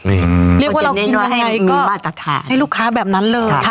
อืมเรียกว่าเรากินยังไงก็มีมาตรฐานให้ลูกค้าแบบนั้นเลยค่ะอ๋อ